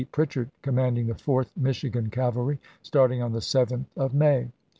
Pritchard, commanding the 4th Michigan Cavalry, starting on the 7th of May.